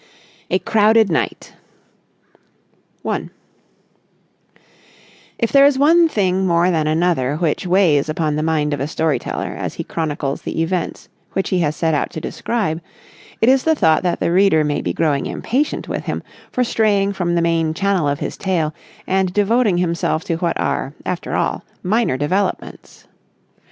A CROWDED NIGHT § 1 If there is one thing more than another which weighs upon the mind of a story teller as he chronicles the events which he has set out to describe, it is the thought that the reader may be growing impatient with him for straying from the main channel of his tale and devoting himself to what are, after all, minor developments.